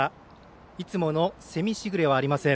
いつものせみ時雨はありません。